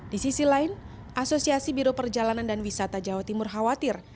di sisi lain asosiasi biro perjalanan dan wisata jawa timur khawatir